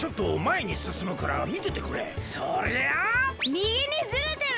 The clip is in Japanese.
みぎにずれてる？